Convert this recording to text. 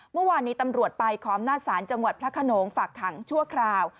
เมื่อวานนี้ตำรวจไปขออำนาจศาลจังหวัดพระขนงฝากขังชั่วคราว